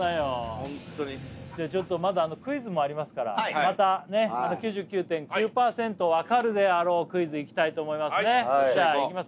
ホントにじゃちょっとまだクイズもありますからまたねっ９９．９％分かるであろうクイズいきたいと思いますねじゃいきます